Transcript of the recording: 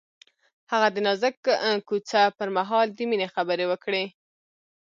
هغه د نازک کوڅه پر مهال د مینې خبرې وکړې.